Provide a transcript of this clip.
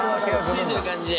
ついてる感じで。